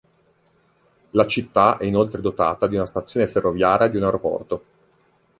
La città è inoltre dotata di una stazione ferroviaria e di un aeroporto.